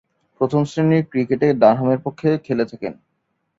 প্রথম-শ্রেণীর ক্রিকেটে ডারহামের পক্ষে খেলে থাকেন।